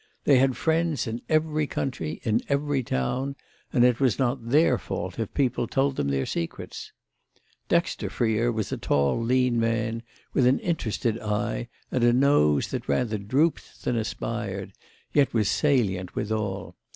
They had friends in every country, in every town; and it was not their fault if people told them their secrets. Dexter Freer was a tall lean man, with an interested eye and a nose that rather drooped than aspired, yet was salient withal.